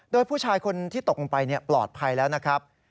โดยผู้ชายคนที่ตกลงไปปลอดภัยแล้วนะครับ